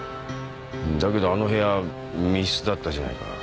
だけどあの部屋密室だったじゃないか。